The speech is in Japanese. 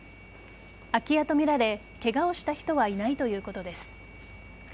空き家とみられケガをした人はいないということです。